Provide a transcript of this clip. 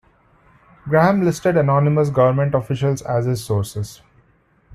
Graham listed anonymous governmental officials as his sources.